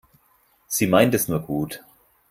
Sie meint es nur gut.